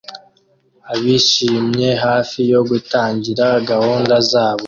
Abishimye hafi yo gutangira gahunda zabo